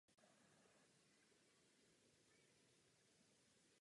Velice brzy však začal připravovat půdu pro novou válku.